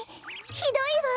ひどいわ！